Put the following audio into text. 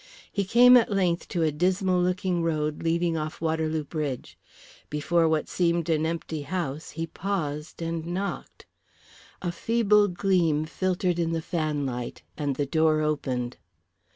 He came at length to a dismal looking road leading off Waterloo Bridge. Before what seemed an empty house he paused and knocked. A feeble gleam filtered in the fanlight and the door opened.